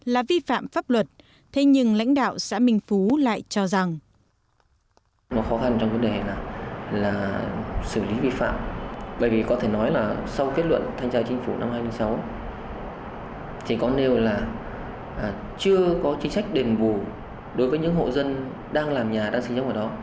là vi phạm pháp luật thế nhưng lãnh đạo xã minh phú lại cho rằng